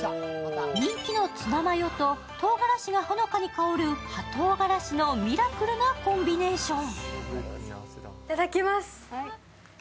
人気のツナマヨととうがらしがほのかに香る、はとうがらしのミラクルなコンビネーション。